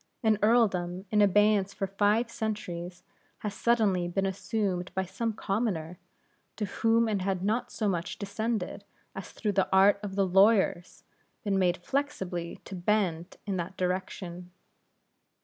An earldom, in abeyance for five centuries, has suddenly been assumed by some commoner, to whom it had not so much descended, as through the art of the lawyers been made flexibly to bend in that direction.